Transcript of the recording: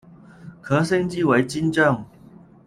可升级成金将。